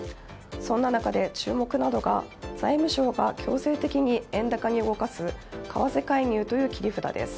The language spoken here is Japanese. そんな中で注目なのが財務省が強制的に円高に動かす為替介入という切り札です。